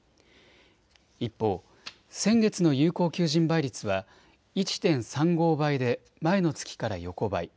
一方、先月の有効求人倍率は１．３５倍で前の月から横ばい。